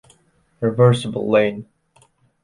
Reversible lane.